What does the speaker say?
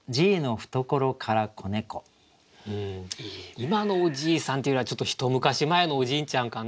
今のおじいさんっていうよりはちょっと一昔前のおじいちゃんかな。